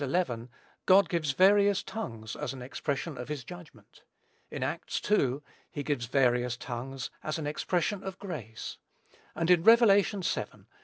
God gives various tongues as an expression of his judgment; in Acts ii. he gives various tongues as an expression of grace; and in Rev. vii.